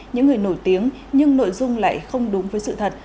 những người nổi tiếng nhưng nội dung lại không đúng với sự thật